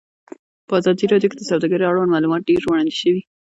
په ازادي راډیو کې د سوداګري اړوند معلومات ډېر وړاندې شوي.